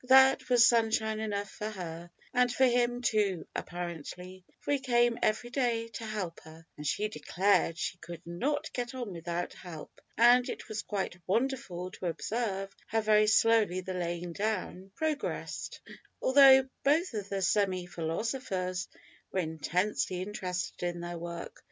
That was sunshine enough for her, and for him too apparently, for he came every day to help her, (and she declared she could not get on without help), and it was quite wonderful to observe how very slowly the laying down progressed, although both of the semi philosophers were intensely interested in their work.